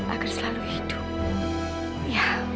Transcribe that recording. agar selalu hidup